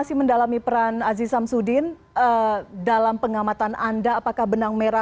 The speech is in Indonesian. selamat malam mbak elvira